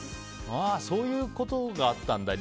そういう理由があったんだ。